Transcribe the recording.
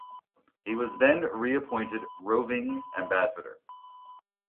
He was then reappointed Roving Ambassador.